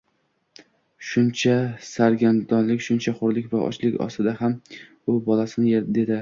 Shuncha sargardonlik, shuncha xorlik va ochlik ostida ham u bolasini derdi.